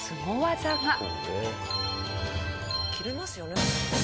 切れますよね。